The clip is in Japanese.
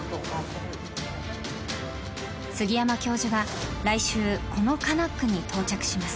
杉山教授が来週このカナックに到着します。